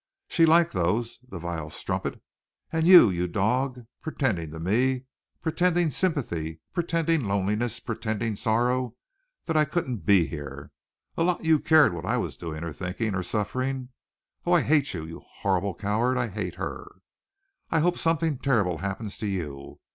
She'd like those, the vile strumpet! And you, you dog, pretending to me pretending sympathy, pretending loneliness, pretending sorrow that I couldn't be here! A lot you cared what I was doing or thinking or suffering. Oh, I hate you, you horrible coward! I hate her! I hope something terrible happens to you.